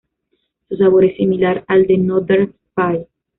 Su sabor es similar al de 'Northern Spy'.